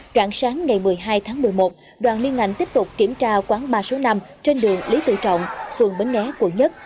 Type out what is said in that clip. rạng sáng ngày một mươi hai tháng một mươi một đoàn liên ngành tiếp tục kiểm tra quán ba số năm trên đường lý tự trọng phường bến nghé quận một